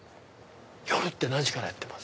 夜って何時からやってます？